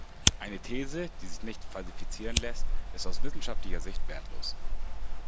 Eine These, die sich nicht falsifizieren lässt, ist aus wissenschaftlicher Sicht wertlos.